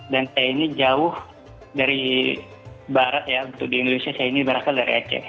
dan saya ini jauh dari barat ya di indonesia saya ini berasal dari aceh